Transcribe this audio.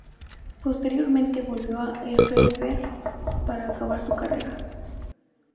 Posteriormente volvió a Elberfeld para acabar su carrera.